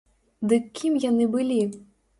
Дык кім яны былі?